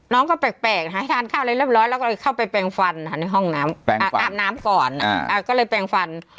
น้องก็แปลกนะทานข้าวอะไรเรียบร้อยแล้วก็เลยเข้าไปแปลงฟันในห้องน้ำอาบน้ำก่อนก็เลยแปลงฟัน